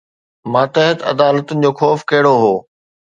ماتحت عدالتن جو خوف ڪهڙو هو؟